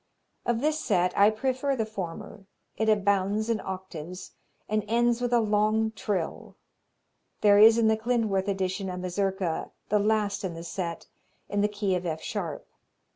Of this set I prefer the former; it abounds in octaves and ends with a long trill There is in the Klindworth edition a Mazurka, the last in the set, in the key of F sharp.